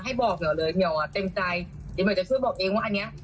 ให้บอกเหมียวเลยเหมียวอะเต็มใจเหมียวจะช่วยบอกเองว่าอันเนี้ย